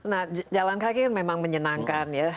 nah jalan kaki kan memang menyenangkan ya